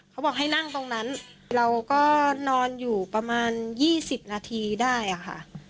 เขาบอกให้นั่งตรงนั้นเราก็นอนอยู่ประมาณ๒๐นาทีได้ค่ะ